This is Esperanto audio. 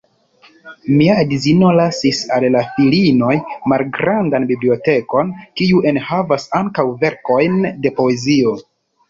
Mia edzino lasis al la filinoj malgrandan bibliotekon, kiu enhavas ankaŭ verkojn de poezio.